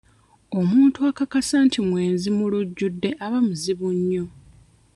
Omuntu akakasa nti mwenzi mu lujjudde aba muzibu nnyo.